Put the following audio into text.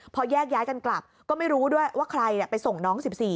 พอแยกย้ายกันกลับก็ไม่รู้ด้วยว่าใครไปส่งน้อง๑๔